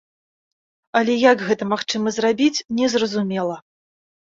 Але як гэта магчыма зрабіць, незразумела.